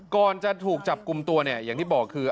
ก่อนจะถูกจับกุมตัวอย่างที่บอกคือ